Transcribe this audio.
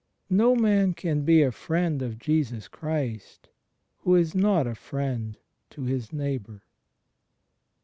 No man can be a Friend of Jesus Christ who is not a friend to his neighbour.